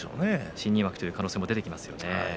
新入幕という可能性も出てきますよね。